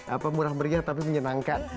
apa murah meriah tapi menyenangkan